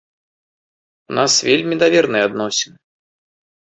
У нас вельмі даверныя адносіны.